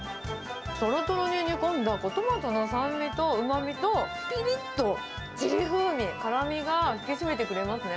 とろとろに煮込んだトマトの酸味とうまみと、ぴりっとチリ風味、辛みが引き締めてくれますね。